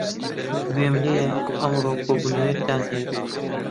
گوێم لێیە ئەمڕۆ کۆبوونەوەیەکتان هەیە.